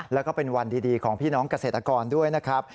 แล้วก็เป็นวันดีของพี่น้องเกษตรกรด้วยนะครับ